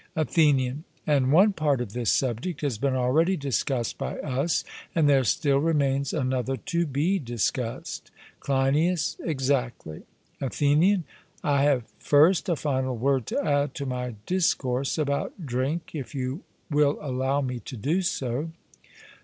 ATHENIAN: And one part of this subject has been already discussed by us, and there still remains another to be discussed? CLEINIAS: Exactly. ATHENIAN: I have first a final word to add to my discourse about drink, if you will allow me to do so.